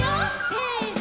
せの！